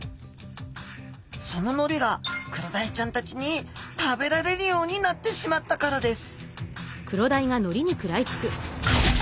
そののりがクロダイちゃんたちに食べられるようになってしまったからです